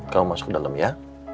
kamu masuk dalam ya